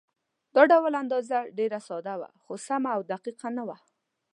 دا ډول اندازه ډېره ساده وه، خو سمه او دقیقه نه وه.